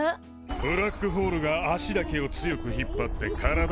ブラックホールが足だけを強く引っ張って体がのびるからだ。